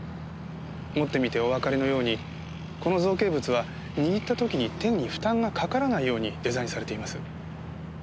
持ってみておわかりのようにこの造形物は握った時に手に負担がかからないようにデザインされています。